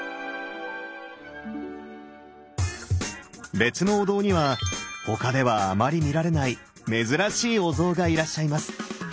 別のお堂には他ではあまり見られない珍しいお像がいらっしゃいます！